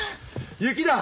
雪だ！